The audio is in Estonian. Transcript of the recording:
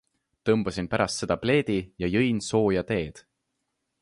Tõmbasin pärast seda pleedi ja jõin sooja teed!